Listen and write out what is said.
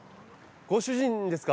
ご主人ですか？